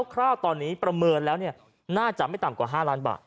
คราวนี้ประเมินแล้วน่าจะไม่ต่ำกว่า๕ล้านบาท